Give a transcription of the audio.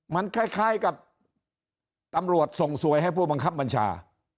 มันคล้ายกับตำรวจส่งสวยให้ผู้บังคับบัญชา